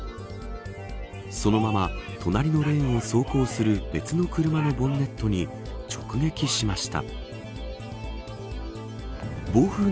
そのまま隣のレーンを走行する別の車のボンネットに直撃しました。